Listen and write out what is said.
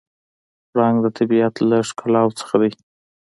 پړانګ د طبیعت له ښکلاوو څخه دی.